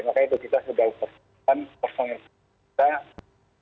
dan makanya kita sudah persiapkan personil kita